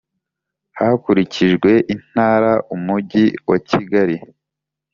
Hakurikijwe intara Umujyi wa Kigali